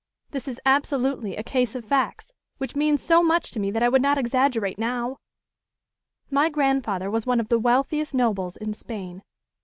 This is absolutely a case of facts, which mean so much to me that I would not exaggerate now! My grandfather was one of the wealthiest nobles in Spain.